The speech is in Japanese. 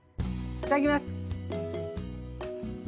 いただきます。